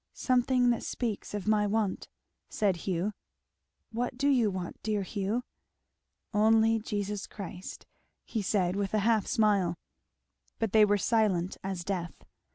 "Something that speaks of my want," said Hugh. "What do you want, dear Hugh?" "Only Jesus Christ," he said with a half smile. But they were silent as death.